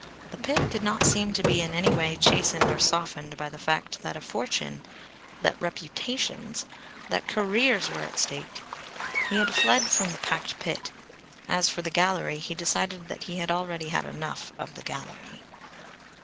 The pit did not seem to be in any way chastened or softened by the fact that a fortune, that reputations, that careers were at stake. He had fled from the packed pit. (As for the gallery, he decided that he had already had enough of the gallery.)